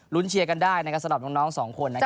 รุ้นเชียร์กันได้สำหรับน้อง๒คนนะครับ